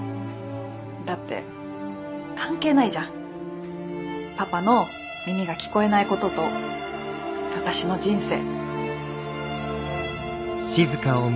だって関係ないじゃんパパの耳が聞こえないことと私の人生。